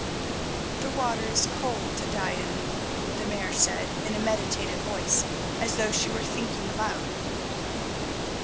"The water is cold to die in!" the Mare said, in a meditative voice, as though she were thinking aloud.